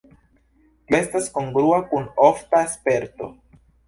Tio estas kongrua kun ofta sperto.